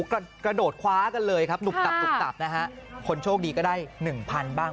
กระโดดคว้ากันเลยครับหนุบตับหุบตับนะฮะคนโชคดีก็ได้หนึ่งพันบ้าง